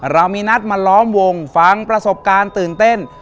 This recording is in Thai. เรามีนัดมาล้อมวงฟังประสบการณ์ตื่นเต้น